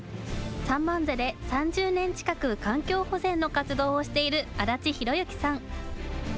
三番瀬で３０年近く、環境保全の活動をしている安達宏之さん。